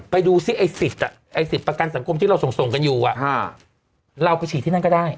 ไปดูซิไอ้สิทธิ์ประกันสังคมที่เราส่งกันอยู่เราไปฉีดที่นั่นก็ได้